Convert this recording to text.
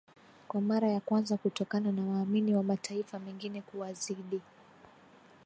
kwa mara ya kwanza kutokana na waamini wa mataifa mengine kuwazidi